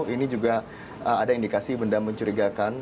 ini juga ada indikasi benda mencurigakan